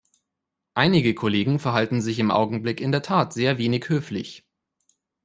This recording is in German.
Einige Kollegen verhalten sich im Augenblick in der Tat sehr wenig höflich.